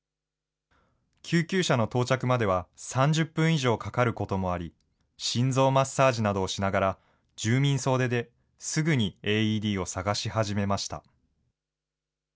救急車の到着までは３０分以上かかることもあり、心臓マッサージなどをしながら住民総出ですぐにＡＥＤを探し始めました。